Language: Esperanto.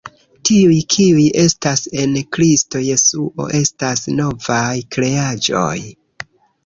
Tiuj, kiuj estas en Kristo Jesuo estas novaj kreaĵoj.